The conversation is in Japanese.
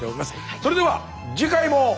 それでは次回も。